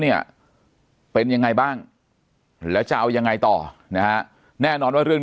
เนี่ยเป็นยังไงบ้างแล้วจะเอายังไงต่อนะฮะแน่นอนว่าเรื่อง